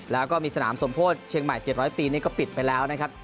แล้วก็มีสนามสมโพธิเชียงใหม่๗๐๐ปีนี่ก็ปิดไปแล้วนะครับ